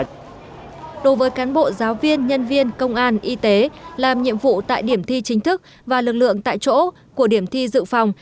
hội giáo viên nhân viên công an y tế làm nhiệm vụ tại điểm thi chính thức và lực lượng tại chỗ của điểm thi dự phòng